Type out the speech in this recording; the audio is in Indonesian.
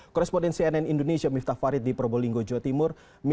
korespondensi nn indonesia miftah farid di probolinggo jawa timur